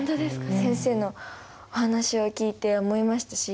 先生のお話を聞いて思いましたし。